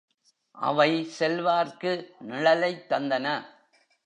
அவை செல்வார்க்கு நிழலைத் தந்தன.